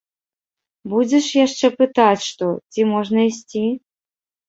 Будзеш яшчэ пытаць што, ці можна ісці?